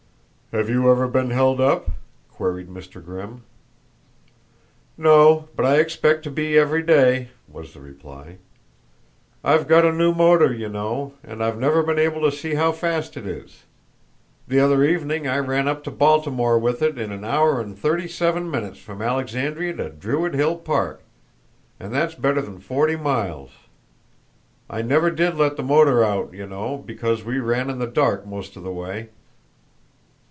"Have you ever been held up?" queried Mr. Grimm. "No, but I expect to be every day," was the reply. "I've got a new motor, you know, and I've never been able to see how fast it is. The other evening I ran up to Baltimore with it in an hour and thirty seven minutes from Alexandria to Druid Hill Park, and that's better than forty miles. I never did let the motor out, you know, because we ran in the dark most of the way."